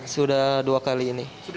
sudah dua kali ini